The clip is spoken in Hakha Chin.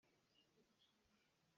Na rawl a pam tuk.